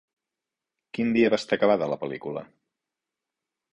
Quin dia va estar acabada la pel·lícula?